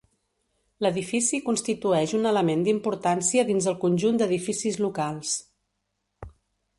L'edifici constitueix un element d'importància dins el conjunt d'edificis locals.